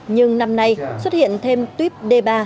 nhưng năm nay xuất hiện thêm tuyếp d ba